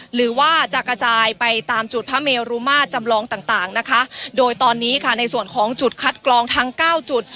หรือว่าจะกระจายไปตามจุดพระเมรุมาตรจำลองต่างต่างนะคะโดยตอนนี้ค่ะในส่วนของจุดคัดกรองทั้งเก้าจุด